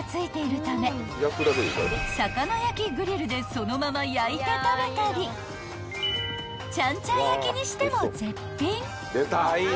［魚焼きグリルでそのまま焼いて食べたりちゃんちゃん焼きにしても絶品］